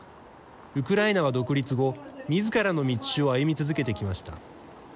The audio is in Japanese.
ウクライナは独立後、みずからの道を歩み続けてきました。